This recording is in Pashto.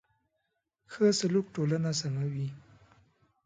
ښه سلوک ټولنه سموي.